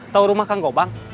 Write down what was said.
tau rumah kang gobang